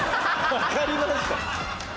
分かりました！